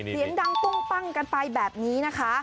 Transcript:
เสียงดังปุ้งปั้งกันไปแบบนี้นะคะ